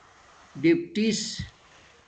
ڈِپٹس